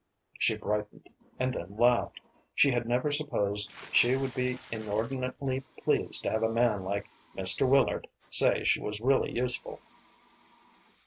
She brightened, and then laughed. She had never supposed she would be inordinately pleased to have a man like Mr. Willard say she was really useful.